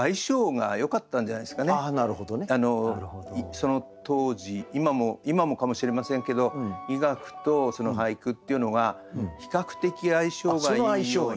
その当時今もかもしれませんけど医学と俳句っていうのが比較的相性がいいような。